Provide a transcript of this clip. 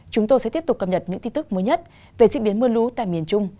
chúng tôi sẽ tiếp tục cập nhật những tin tức mới nhất về diễn biến mưa lũ tại miền trung